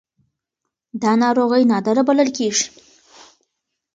دا ناروغي نادره بلل کېږي.